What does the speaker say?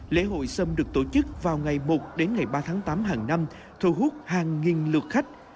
lễ hội sâm được tổ chức vào ngày một đến ngày ba tháng tám hàng năm thu hút hàng nghìn lượt khách